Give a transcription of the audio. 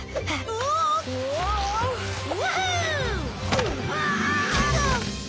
うわ！